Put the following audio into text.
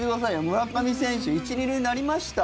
村上選手１・２塁になりました。